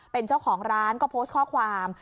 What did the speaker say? เป็นเจ้าของร้านก็โพสต์ข้อความ